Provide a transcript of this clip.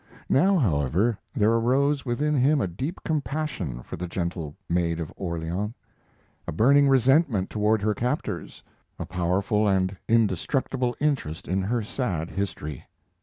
Now, however, there arose within him a deep compassion for the gentle Maid of Orleans, a burning resentment toward her captors, a powerful and indestructible interest in her sad history.